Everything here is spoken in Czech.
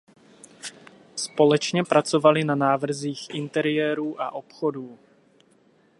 Společně pracovali na návrzích interiérů a obchodů.